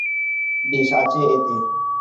বিষ আছে এতে।